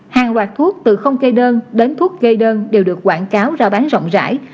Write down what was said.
hàng loạt thuốc từ không gây đơn đến thuốc gây đơn đều được quảng cáo rao bán rộng rãi